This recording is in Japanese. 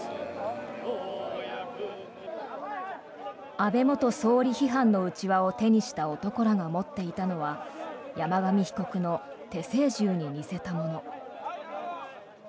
安倍元総理批判のうちわを手にした男らが持っていたのは山上被告の手製銃に似せたもの。